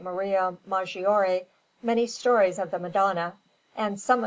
Maria Maggiore, many stories of the Madonna and some of S.